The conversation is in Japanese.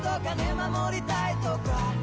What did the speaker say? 「守りたいとか」